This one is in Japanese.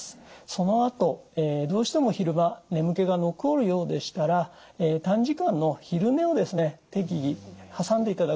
そのあとどうしても昼間眠気が残るようでしたら短時間の昼寝をですね適宜挟んでいただくのがいいと思います。